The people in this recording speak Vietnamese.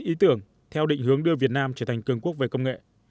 ý tưởng theo định hướng đưa việt nam trở thành cường quốc về công nghệ